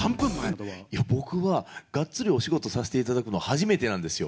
いや、僕はがっつりお仕事させていただくの初めてなんですよ。